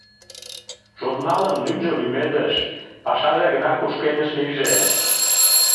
Журналын лӱмжӧ — лӱмедыш, пашаже гына кушкедыш лийже.